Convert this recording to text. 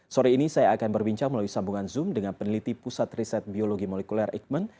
sore ini saya akan berbincang melalui sambungan zoom dengan peneliti pusat riset biologi molekuler eijkman